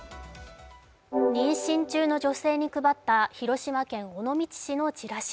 妊娠中の女性に配った広島県尾道市のチラシ。